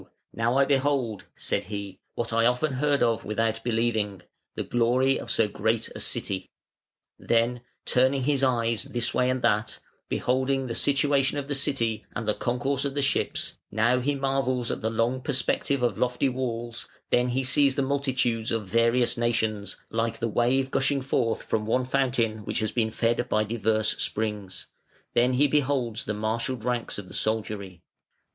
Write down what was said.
now I behold,' said he, 'what I often heard of without believing, the glory of so great a city.' Then turning his eyes this way and that, beholding the situation of the city and the concourse of ships, now he marvels at the long perspective of lofty walls, then he sees the multitudes of various nations like the wave gushing forth from one fountain which has been fed by divers springs, then he beholds the marshalled ranks of the soldiery.